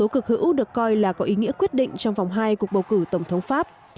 cực hữu được coi là có ý nghĩa quyết định trong vòng hai cuộc bầu cử tổng thống pháp